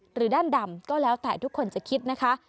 หรือด้านดำก็แล้วแต่ทุกคนจะคิดนะคะ